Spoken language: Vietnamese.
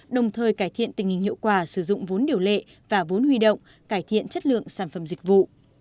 đồng thời cải thiện tình hình hiệu quả sử dụng vốn điều lệ và vốn huy động cải thiện chất lượng sản phẩm dịch vụ